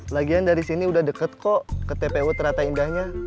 lagian dari sini udah deket kok ke tpu terata indahnya